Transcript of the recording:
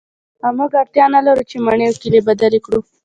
او موږ اړتیا نلرو چې مڼې او کیلې بدلې کړو